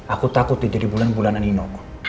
aku takut dia jadi bulanan bulanan nino